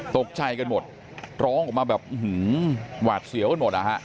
ตกใจกันหมดร้องออกมาแบบหื้อหือหวาดเสียวขึ้นหมด